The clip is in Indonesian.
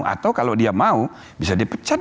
atau kalau dia mau bisa di pecat